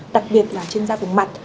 đặc biệt là trên da vùng mặt